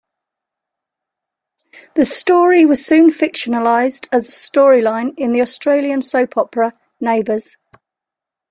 The story was soon fictionalized as a storyline in the Australian soap opera "Neighbours".